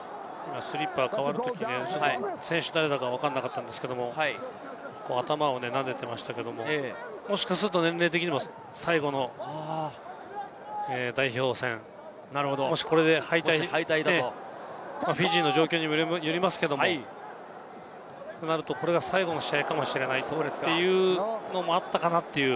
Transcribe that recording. スリッパーが代わるとき、選手が誰だかわかんなかったんですけど、頭をなでていましたけれども、もしかすると年齢的に最後の代表戦、もしこれで敗退、フィジーの状況によりますけれども、となると、これが最後の試合かもしれないというのもあったかなという。